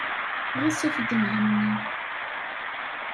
Ɣas af-d Mhenni.